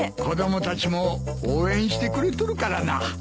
子供たちも応援してくれとるからな。